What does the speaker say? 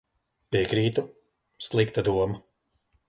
Piekrītu. Slikta doma.